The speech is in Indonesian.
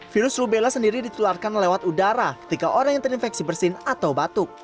virus rubella sendiri ditularkan lewat udara ketika orang yang terinfeksi bersin atau batuk